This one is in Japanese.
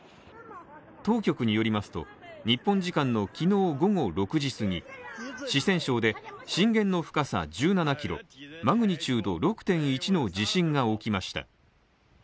当局によりますと、日本時間のきのう午後６時すぎ、四川省で震源の深さ１７キロマグニチュード６．１の地震が起きました。